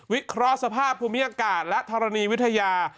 เคราะห์สภาพภูมิอากาศและธรณีวิทยา